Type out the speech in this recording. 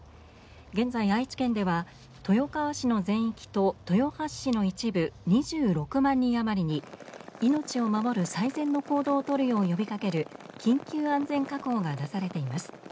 現在愛知県では豊川市の全域と豊橋市の一部２６万余りに命を守る最善の行動を呼びかける緊急安全確保が出されています。